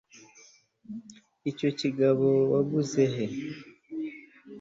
icyo gitabo waguze he